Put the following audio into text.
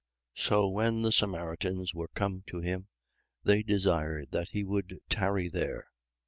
4:40. So when the Samaritans were come to him, they desired that he would tarry there.